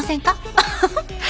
アッハハ。